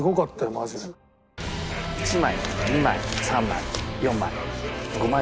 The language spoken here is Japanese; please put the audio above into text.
１枚２枚３枚４枚５枚ですね。